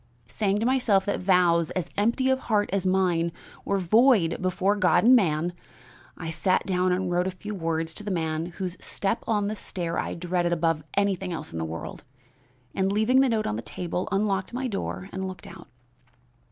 Saying to myself that vows, as empty of heart as mine, were void before God and man, I sat down and wrote a few words to the man whose step on the stair I dreaded above everything else in the world; and, leaving the note on the table, unlocked my door and looked out.